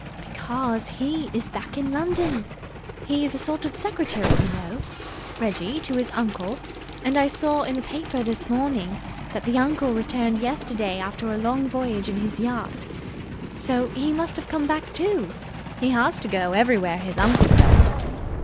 "Because he is back in London! He's a sort of secretary, you know, Reggie, to his uncle, and I saw in the paper this morning that the uncle returned yesterday after a long voyage in his yacht. So he must have come back, too. He has to go everywhere his uncle goes."